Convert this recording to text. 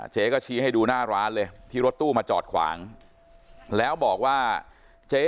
เจ๊ก็ชี้ให้ดูหน้าร้านเลยที่รถตู้มาจอดขวางแล้วบอกว่าเจ๊